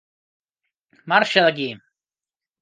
Marxa d'aquí!